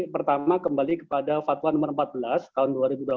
pertama kembali kepada fatwa nomor empat belas tahun dua ribu dua puluh